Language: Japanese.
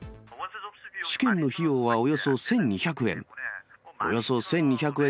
試験の費用はおよそ１２００円。